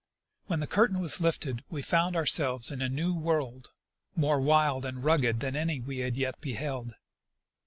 When the curtain was lifted we found ourselves in a new world, more wild and rugged than any we had yet beheld.